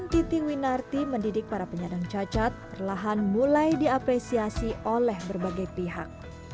sejak tahun dua ribu tiga belas titi winarti mendidik para penyandang cacat terlahan mulai diapresiasi oleh berbagai pihak